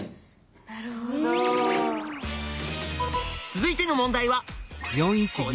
続いての問題はこちら。